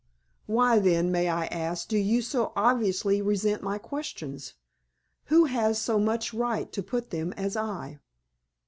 "Why, then, may I ask, do you so obviously resent my questions? Who has so much right to put them as I?"